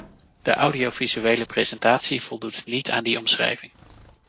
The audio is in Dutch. De audiovisuele presentatie voldoet niet aan die omschrijving.